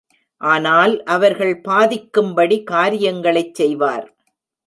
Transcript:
ஆனால் அவர்கள் பாதிக்கும்படி காரியங்களைச் செய்வார்.